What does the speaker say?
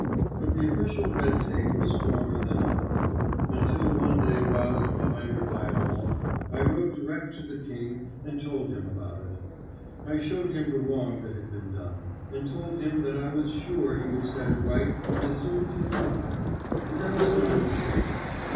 But the official red tape was stronger than I; until one day, roused to anger by it all, I wrote direct to the King and told him about it. I showed him the wrong that had been done, and told him that I was sure he would set it right as soon as he knew of it. And I was not mistaken.